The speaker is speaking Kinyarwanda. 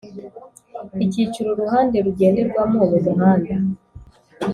Icyiciro uruhande rugenderwamo mu muhanda